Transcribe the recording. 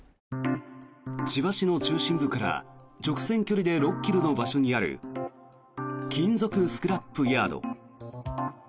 千葉市の中心部から直線距離で６ｋｍの場所にある金属スクラップヤード。